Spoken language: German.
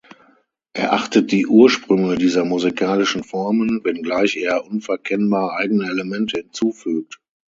Er achtet die Ursprünge dieser musikalischen Formen, wenngleich er unverkennbar eigene Elemente hinzufügt.